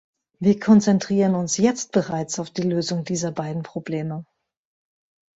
Wir konzentrieren uns jetzt bereits auf die Lösung dieser beiden Probleme.